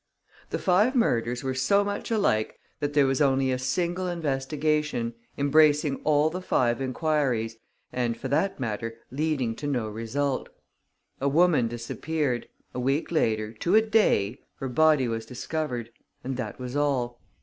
The five murders were so much alike that there was only a single investigation, embracing all the five enquiries and, for that matter, leading to no result. A woman disappeared; a week later, to a day, her body was discovered; and that was all.